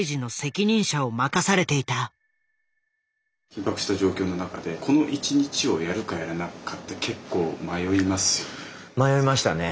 緊迫した状況の中でこの一日をやるかやらないかって結構迷いますよね。